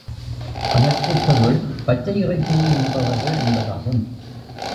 அதற்குப் பொருள், பச்சை இறைச்சியை உண்பவர்கள் என்பதாகும்.